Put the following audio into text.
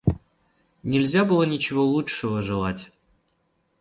Нельзя было ничего лучшего желать.